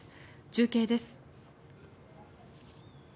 中継です。